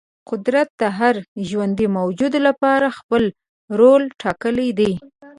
قدرت د هر ژوندې موجود لپاره خپل رول ټاکلی دی.